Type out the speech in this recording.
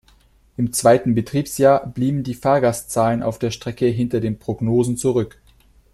Im zweiten Betriebsjahr blieben die Fahrgastzahlen auf der Strecke hinter den Prognosen zurück.